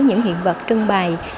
những hiện vật trưng bày